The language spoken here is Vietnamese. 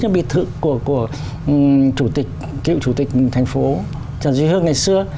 biệt thự của cựu chủ tịch thành phố trần duy hương ngày xưa